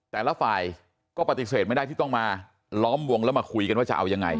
แต่ละฝ่ายก็ปฏิเสธไม่ได้ที่ต้องมาล้อมวงแล้วมาคุยกันว่าจะเอายังไง